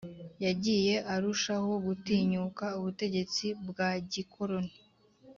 yagiye arushaho gutinyuka ubutegetsi bwa gikoloni